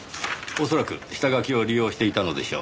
恐らく下書きを利用していたのでしょう。